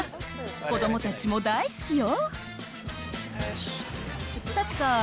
子どもたちも大好きよ。